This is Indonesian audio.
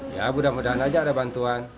ya mudah mudahan aja ada bantuan